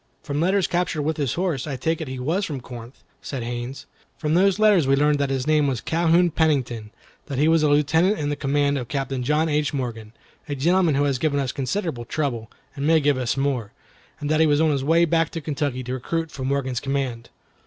"From letters captured with his horse, I take it he was from Corinth," said Haines. "From those letters we learned that his name was Calhoun Pennington, that he was a lieutenant in the command of Captain John H. Morgan, a gentleman who has given us considerable trouble, and may give us more, and that he was on his way back to Kentucky to recruit for Morgan's command."